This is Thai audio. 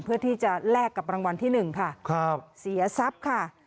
เพื่อที่จะแลกกับรางวัลที่๑ค่ะครับเสียทรัพย์ค่ะ